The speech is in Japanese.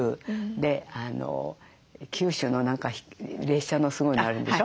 で九州の何か列車のすごいのあるんでしょ？